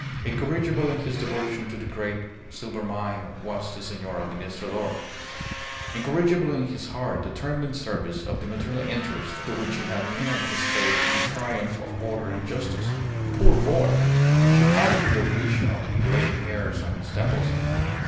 Incorrigible in his devotion to the great silver mine was the Senor Administrador! Incorrigible in his hard, determined service of the material interests to which he had pinned his faith in the triumph of order and justice. Poor boy! She had a clear vision of the grey hairs on his temples.